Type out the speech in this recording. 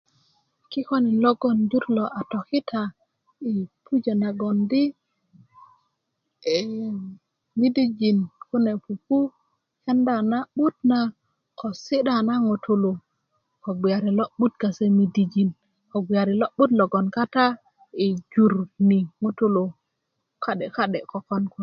kikolin logoŋ jur lo a tokita i pujá nagoŋ di midijin kune pupu kenda na 'but na ko sidä ba ŋutulú ko gwiari lo'but kase midijin ni ko gwiari lo'but logoŋ lo 'but i jur ni ŋutulú kadekade kokon